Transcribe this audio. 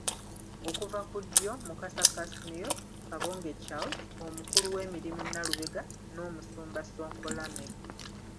Okuva ku ddyo, Mukasa Casmir, Kabonge Charles, Omukulu w'emirimu Nalubega ne Omusumba Ssonko Lameck.